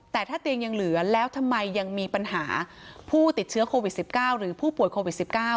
แต่ถ้าเตียงยังเหลือแล้วทำไมยังมีปัญหาผู้ติดเชื้อโควิด๑๙หรือผู้ป่วยโควิด๑๙